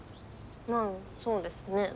まあそうですね。